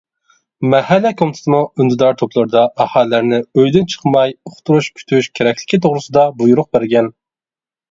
مەھەللە كومىتېتىمۇ ئۈندىدار توپلىرىدا ئاھالىلەرنى ئۆيدىن چىقماي ئۇقتۇرۇش كۈتۈش كېرەكلىكى توغرىسىدا بۇيرۇق بەرگەن.